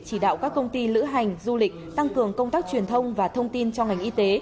chỉ đạo các công ty lữ hành du lịch tăng cường công tác truyền thông và thông tin cho ngành y tế